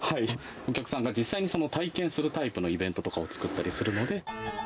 お客さんが実際に体験するタイプのイベントとかを作ったりするので。